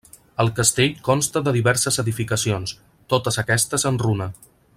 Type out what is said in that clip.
El castell consta de diverses edificacions, totes aquestes en runa.